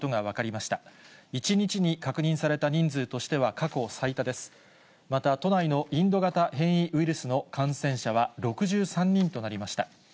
また、都内のインド型変異ウイルスの感染者は６３人となりました。